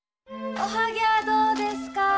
おはぎもどうですか？